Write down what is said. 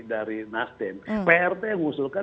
dari nasdem prt yang mengusulkan